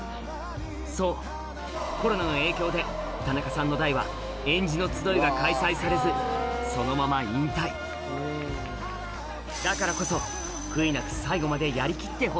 そうコロナの影響で田中さんの代は『臙脂の集い』が開催されずそのまま引退だからこそという自分ができなかった分。